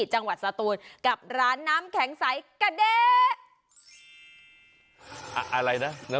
จังหวัดสตูนกับร้านน้ำแข็งใสกระเด้อะไรนะ